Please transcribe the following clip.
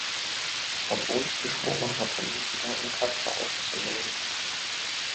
Obwohl ich geschworen hatte, nie wieder eine Katze aufzunehmen.